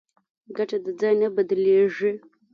کټه د ځای نه بدلېږي.